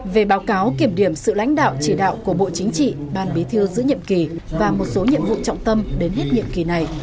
về báo cáo kiểm điểm sự lãnh đạo chỉ đạo của bộ chính trị ban bí thư giữa nhiệm kỳ và một số nhiệm vụ trọng tâm đến hết nhiệm kỳ này